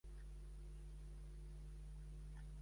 Va heretar el comtat de Rethel de la seva mare.